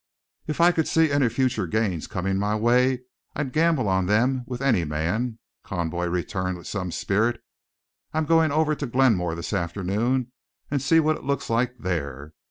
"If I could see any future gains comin' my way I'd gamble on them with any man," Conboy returned with some spirit. "I'm goin' over to Glenmore this afternoon and see what it looks like there.